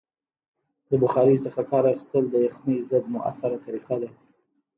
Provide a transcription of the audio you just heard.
د بخارۍ څخه کار اخیستل د یخنۍ ضد مؤثره طریقه ده.